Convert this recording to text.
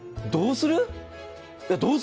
どうする？